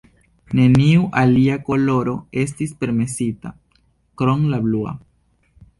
Neniu alia koloro estis permesita, krom la blua.